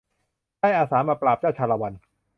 ได้อาสามาปราบเจ้าชาละวัน